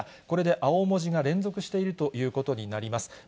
これで青文字が連続しているということになります。